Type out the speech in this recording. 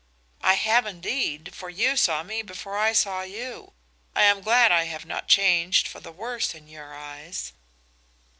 "I have, indeed, for you saw me before I saw you. I am glad I have not changed for the worse in your eyes."